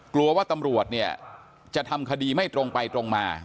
กลัวว่าตำรวจเนี่ยจะทำคดีไม่ตรงไปตรงมา